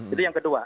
itu yang kedua